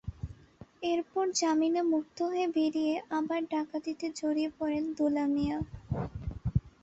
এরপর জামিনে মুক্ত হয়ে বেরিয়ে আবার ডাকাতিতে জড়িয়ে পড়েন দুলা মিয়া।